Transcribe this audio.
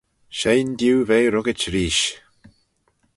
Shegin diu ve ruggit reesht.